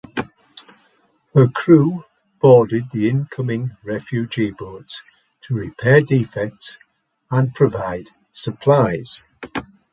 Her crew boarded the incoming refugee boats to repair defects and provide supplies.